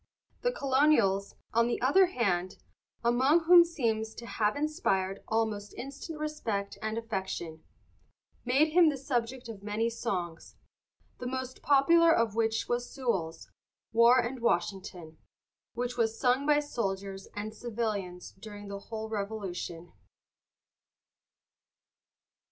The Colonials, on the other hand, among whom he seems to have inspired almost instant respect and affection, made him the subject of many songs, the most popular of which was Sewall's "War and Washington," which was sung by soldiers and civilians during the whole Revolution.